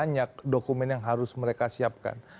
banyak dokumen yang harus mereka siapkan